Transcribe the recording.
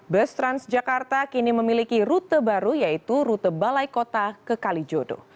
bus transjakarta kini memiliki rute baru yaitu rute balai kota ke kalijodo